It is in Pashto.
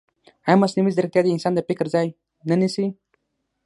ایا مصنوعي ځیرکتیا د انسان د فکر ځای نه نیسي؟